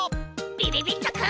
びびびっとくん。